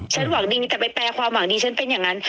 หวังดีแต่ไปแปลความหวังดีฉันเป็นอย่างนั้น